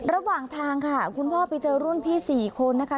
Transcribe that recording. ระหว่างทางค่ะคุณพ่อไปเจอรุ่นพี่๔คนนะคะ